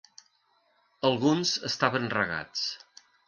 Alguns estaven regats.